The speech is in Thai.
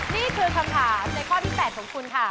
นี่คือคำถามในข้อที่๘ของคุณค่ะ